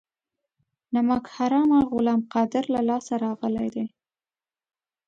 نمک حرامه غلام قادر له لاسه راغلي دي.